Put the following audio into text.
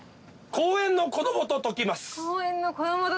公園の子供と解きます。